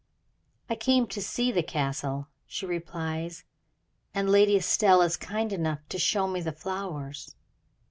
"I came to see the Castle," she replies; "and Lady Estelle is kind enough to show me the flowers."